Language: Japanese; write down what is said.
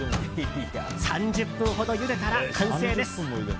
３０分ほどゆでたら完成です。